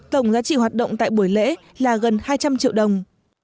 tổng giá trị hoạt động tại buổi lễ là gần hai trăm linh triệu đồng